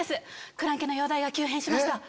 クランケの容体が急変しました！